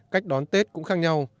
cách đón tết cũng khác nhau